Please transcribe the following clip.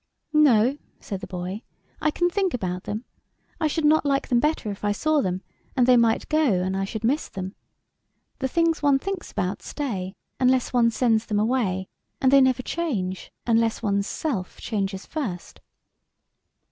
" No" said the boy. I can think about them. I should not like them better if I saw them, and they might go and I should miss them. The things one thinks about stay unless one sends them away, and they never change unless one's self changes first."